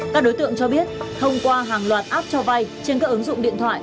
các đối tượng cho biết thông qua hàng loạt app cho vay trên các ứng dụng điện thoại